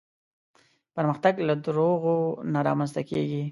پرمختګ له دروغو نه رامنځته کېږي.